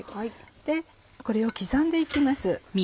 でこれを刻んで行きます。